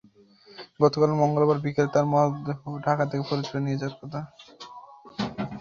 গতকাল মঙ্গলবার বিকেলে তাঁর মরদেহ ঢাকা থেকে ফরিদপুরে নিয়ে যাওয়ার কথা।